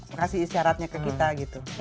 makasih isyaratnya ke kita gitu